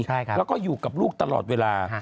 แล้วก็อยู่กับลูกตลอดเวลา